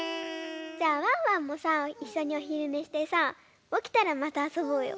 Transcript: じゃあワンワンもさいっしょにおひるねしてさおきたらまたあそぼうよ。